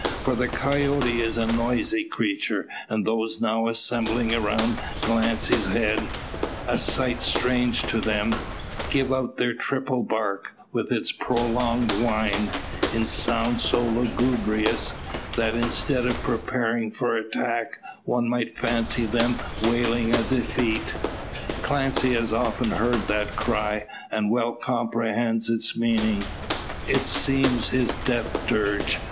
For the coyote is a noisy creature, and those now assembling around Clancy's head a sight strange to them give out their triple bark, with its prolonged whine, in sound so lugubrious, that, instead of preparing for attack, one might fancy them wailing a defeat. Clancy has often heard that cry, and well comprehends its meaning. It seems his death dirge.